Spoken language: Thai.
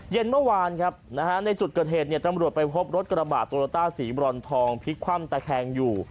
เย็นเมื่อวานครับนะฮะในจุดเกิดเหตุเนี่ยจำรวจไปพบรถกระบาดตัวโรต้าศีลย์บรอนทองพิกคว่ำแต่แคลงอยู่